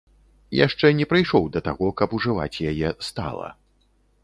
Яшчэ не прыйшоў да таго, каб ужываць яе стала.